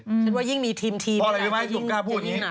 คิดว่ายิ่งมีทีมนี่แหละจะยิ่งหนักพอแล้วรู้ไหมจุ๊บกล้าพูดอย่างนี้